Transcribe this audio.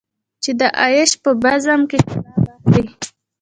چې د عیش په بزم کې شراب اخلې.